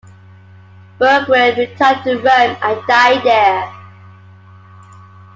Burgred retired to Rome and died there.